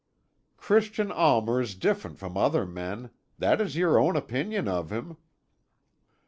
"Christian Almer is different from other men; that is your own opinion of him."